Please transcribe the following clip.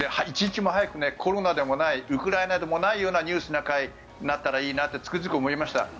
一日も早く、コロナでもないウクライナでもないような「ニュースな会」になったらいいなってつくづく思いました。